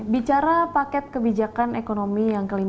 bicara paket kebijakan ekonomi yang ke lima belas ya bu ya